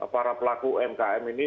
para pelaku umkm ini